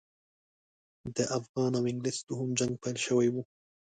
د افغان او انګلیس دوهم جنګ پیل شوی وو.